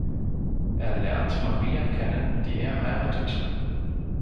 Er lernt Maria kennen, die er heiratet.